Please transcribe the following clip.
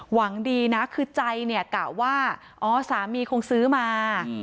หวังดีนะคือใจเนี่ยกะว่าอ๋อสามีคงซื้อมา